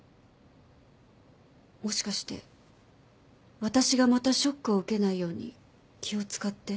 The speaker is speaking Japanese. もしかして私がまたショックを受けないように気を使って？